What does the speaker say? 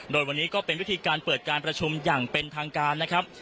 โดยวันนี้ก็เป็นวิธีการเปิดการประชุมอย่างเป็นทางการนะครับ